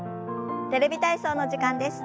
「テレビ体操」の時間です。